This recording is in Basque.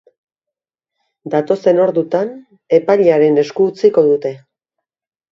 Datozen orduetan, epailearen esku utziko dute.